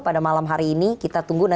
pada malam hari ini kita tunggu